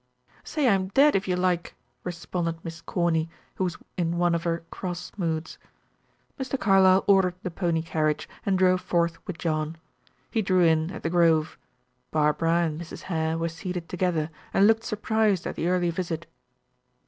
"Say I am dead, if you like," responded Miss Corny, who was in one of her cross moods. Mr. Carlyle ordered the pony carriage, and drove forth with John. He drew in at the grove. Barbara and Mrs. Hare were seated together, and looked surprised at the early visit.